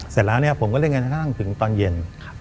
เสร็จแล้วเนี่ยผมก็เรียกงานทางถึงตอนเย็น